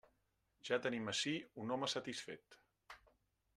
Ja tenim ací un home satisfet.